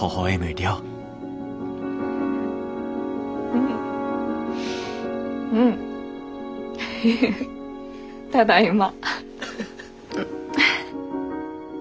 うんうんただいま。